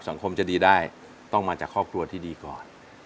สังคมจะดีได้ต้องมาจากครอบครัวที่ดีก่อน